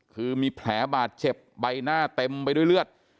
คือมีแผลบาดเจ็บใบหน้าเต็มไปด้วยเลือด